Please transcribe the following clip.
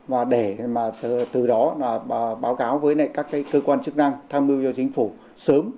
và từ đó báo cáo với các cơ quan chức năng tham dự cho chính phủ sớm